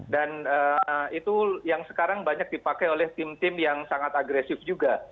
dan itu yang sekarang banyak dipakai oleh tim tim yang sangat agresif juga